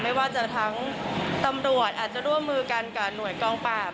ไม่ว่าจะทั้งตำรวจอาจจะร่วมมือกันกับหน่วยกองปราบ